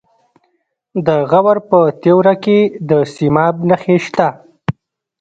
د غور په تیوره کې د سیماب نښې شته.